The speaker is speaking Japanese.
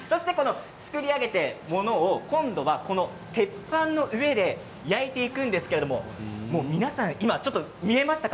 そして作り上げているものを鉄板の上で焼いていくんですけど皆さん見えましたか。